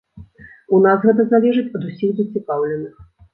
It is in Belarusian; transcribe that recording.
У нас гэта залежыць ад усіх зацікаўленых.